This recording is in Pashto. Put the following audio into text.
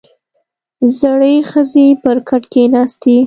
• زړې ښځې پر کټ کښېناستې.